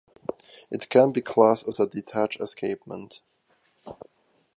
It can be classed as a detached escapement.